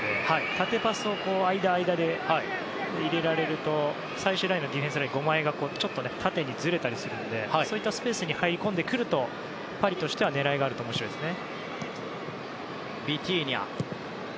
縦パスを間、間で入れられると最終ラインのディフェンスライン５枚が縦にずれたりするのでそういったスペースに入り込んでくるというパリとしては狙いがあると面白いですね。